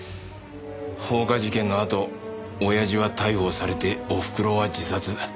放火事件のあと親父は逮捕されておふくろは自殺。